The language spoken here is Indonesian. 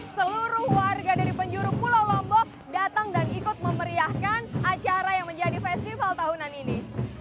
seluruh warga dari penjuru pulau lombok datang dan ikut memeriahkan acara yang menjadi festival tahunan ini